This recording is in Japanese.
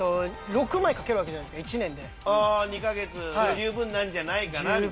十分なんじゃないかな？みたいな。